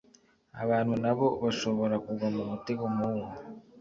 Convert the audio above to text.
abantu na bo bashobora kugwa mu mutego nk uwo